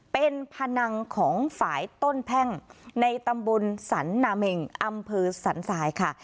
เป็นพนังของฝ่ายต้นแพ่งในตำบลสันนาเมงอำเภอสันทรายค่ะ